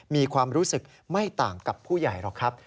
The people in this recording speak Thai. มีความรู้สึกไม่ต่างกับผู้ใหญ่หรอกครับ